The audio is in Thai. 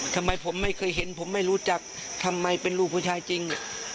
ทำไมผมไม่เคยเห็นผมไม่รู้จักทำไมเป็นลูกผู้ชายจริง